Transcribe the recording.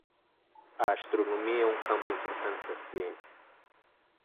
A astronomia é um campo importante da ciência.